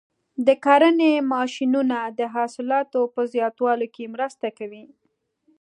د کرنې ماشینونه د حاصلاتو په زیاتوالي کې مرسته کوي.